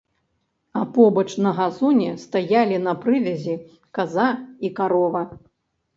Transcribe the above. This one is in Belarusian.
А побач, на газоне, стаялі на прывязі каза і карова.